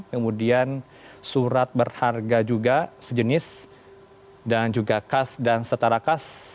kemudian surat berharga juga sejenis dan juga kas dan setara kas